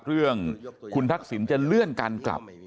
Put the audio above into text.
เรื่องคุณทักษิณจะเลื่อนการกลับ